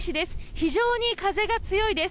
非常に風が強いです。